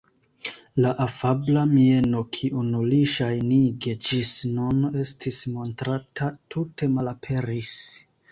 La afabla mieno, kiun li ŝajnige ĝis nun estis montranta, tute malaperis.